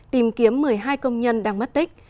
tìm kiếm một mươi hai công nhân đang mất tích